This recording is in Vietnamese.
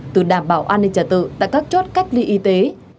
từ đảm bảo an ninh trả tự tại các chốt cách ly y tế